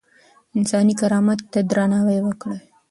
انساني کرامت ته درناوی وکړئ.